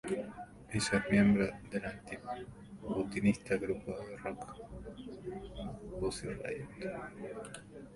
Ella es miembro del anti-putinista Grupo de punk rock Pussy Riot.